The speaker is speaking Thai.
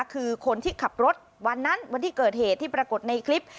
คือคนที่ขับรถวันนั้นวันที่เกิดเหตุที่ปรากฏในคลิป